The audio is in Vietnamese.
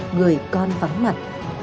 người con vắng mặt